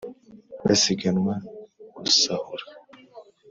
Basiganwa gusahura.